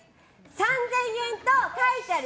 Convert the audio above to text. ３０００円と書いてある。